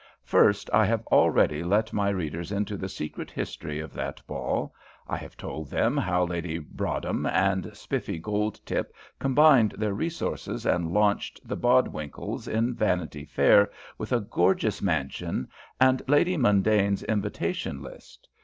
First, I have already let my readers into the secret history of that ball. I have told them how Lady Broadhem and Spiffy Goldtip combined their resources and launched the Bodwinkles in Vanity Fair with a gorgeous mansion and Lady Mundane's invitation list.